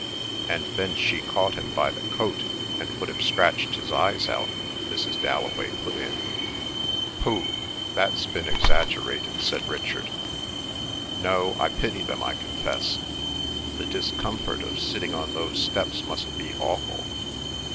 '" "And then she caught him by the coat, and would have scratched his eyes out—" Mrs. Dalloway put in. "Pooh—that's been exaggerated," said Richard. "No, I pity them, I confess. The discomfort of sitting on those steps must be awful."